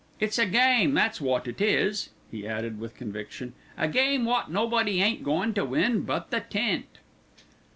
It's a game, that's wot it is," he added with conviction, "a game wot nobody ain't goin' to win but the tent."